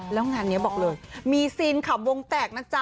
พี่อ้ำบอกเลยมีเซีนด์ขัมวงแตกนะจ๊ะ